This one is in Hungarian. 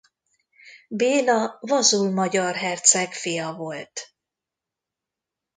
Béla Vazul magyar herceg fia volt.